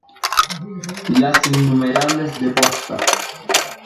Las innumerables de Porta...